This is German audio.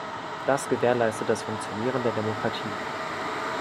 Das gewährleistet das Funktionieren der Demokratie.